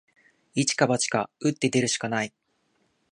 一か八か、打って出るしかない